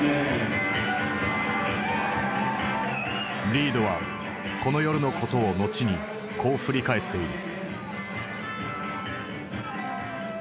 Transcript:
リードはこの夜のことを後にこう振り返っている。